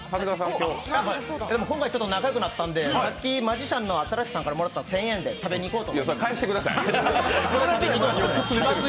今回仲良くなったんでさっき新子さんからもらった１０００円で食べに行こうかと。